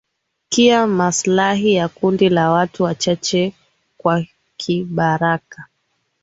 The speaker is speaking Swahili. kia maslahi ya kundi la watu wachache kwa kibaraka